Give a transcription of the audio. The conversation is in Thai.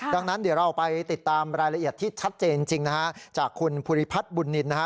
ดังนั้นเดี๋ยวเราไปติดตามรายละเอียดที่ชัดเจนจริงนะฮะจากคุณภูริพัฒน์บุญนินนะฮะ